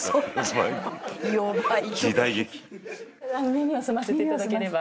耳を澄ませて頂ければ。